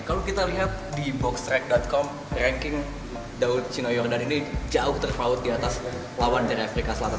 kalau kita lihat di boxstrike com ranking daud chinoyordan ini jauh terfaut di atas lawan dari afrika selatan